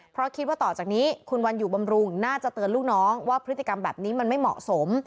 เพราะคิดว่าต่อจากนี้คุณวันอยู่บำรุงน่าจะเตือนลูกน้องว่าพฤติกรรมแบบนี้มันไม่เหมาะสม